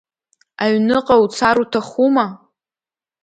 Аҩныҟа уцар уҭахума?